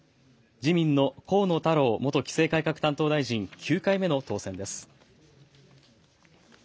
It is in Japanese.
自民の河野太郎元規制改革担当大臣、９回目の当選です。